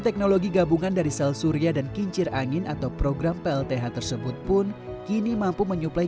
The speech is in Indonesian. teknologi gabungan dari sel surya dan kincir angin atau program plth tersebut pun kini mampu menyuplai